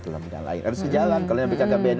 tulang bidang lain harus di jalan kalau yang bkkbn